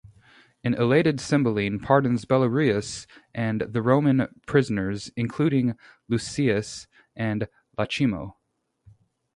An elated Cymbeline pardons Belarius and the Roman prisoners, including Lucius and Iachimo.